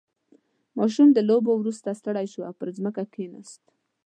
• ماشوم د لوبو وروسته ستړی شو او پر ځمکه کښېناست.